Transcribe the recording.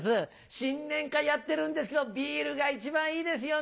新年会やってるんですけどビールが一番いいですよね。